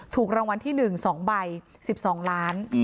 ถูกรางวัลที่๑๒ใบ๑๒ล้าน